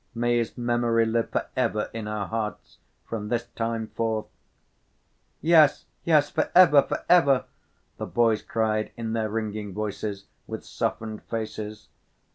May his memory live for ever in our hearts from this time forth!" "Yes, yes, for ever, for ever!" the boys cried in their ringing voices, with softened faces.